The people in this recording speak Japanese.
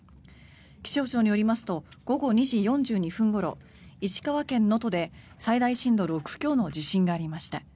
気象庁によりますと午後２時４２分ごろ石川県能登で最大震度６強の地震がありました。